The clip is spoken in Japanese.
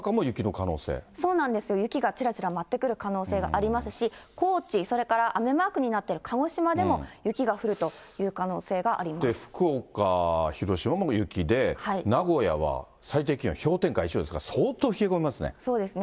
そうなんです、雪がちらちら舞ってくる可能性がありますし、高知、それから雨マークになっている鹿児島でも雪が降るという可能性が福岡、広島も雪で、名古屋は最低気温氷点下１度ですから、相当冷え込みますね。